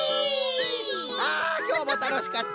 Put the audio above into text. あきょうもたのしかった！